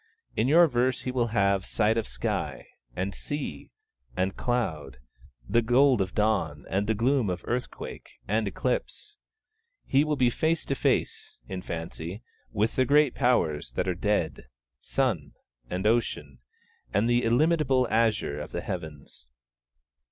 In your verse he will have sight of sky, and sea, and cloud, the gold of dawn and the gloom of earthquake and eclipse, he will be face to face, in fancy, with the great powers that are dead, sun, and ocean, and the illimitable azure of the heavens.